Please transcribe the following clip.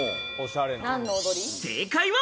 正解は。